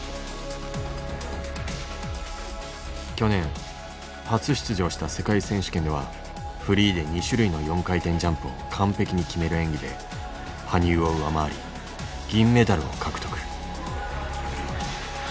去年初出場した世界選手権ではフリーで２種類の４回転ジャンプを完璧に決める演技で羽生を上回り銀メダルを獲得。